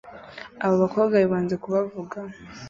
Aba bakobwa bibanze kubavuga